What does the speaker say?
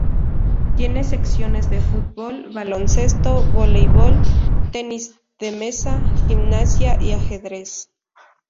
Tiene secciones de fútbol, baloncesto, voleibol, tenis de mesa, gimnasia y ajedrez.